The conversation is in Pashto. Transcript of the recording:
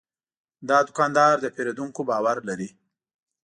دا دوکاندار د پیرودونکو باور لري.